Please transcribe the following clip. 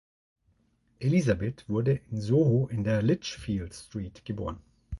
Elizabeth wurde in Soho in der Litchfield Street geboren.